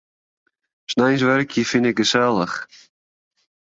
Sneins wurkje fyn ik gesellich.